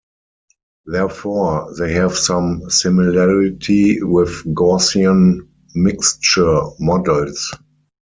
Therefore, they have some similarity with Gaussian mixture models.